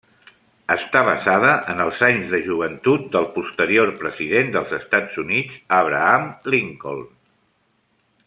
Està basada en els anys de joventut del posterior president dels Estats Units Abraham Lincoln.